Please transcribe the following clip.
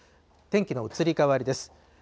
天気の移り変わりです。